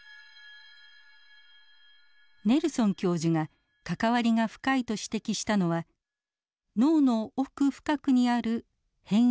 ネルソン教授が関わりが深いと指摘したのは脳の奥深くにある辺縁系です。